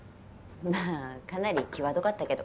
まあかなり際どかったけど。